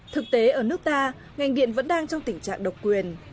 thực tế ở nước ta ngành điện vẫn đang trong tình trạng độc quyền